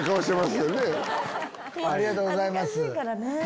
ありがとうございます。